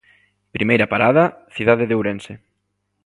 Primeira parada: cidade de Ourense.